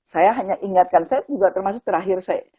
saya hanya ingatkan saya juga termasuk terakhir saya